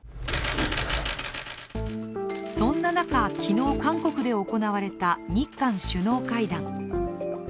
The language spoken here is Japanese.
そんな中、昨日韓国で行われた日韓首脳会談。